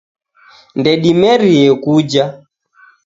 Ndedimerie kuja